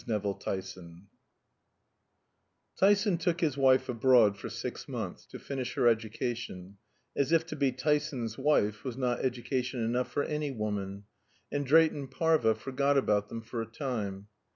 NEVILL TYSON Tyson took his wife abroad for six months to finish her education (as if to be Tyson's wife was not education enough for any woman!); and Drayton Parva forgot about them for a time.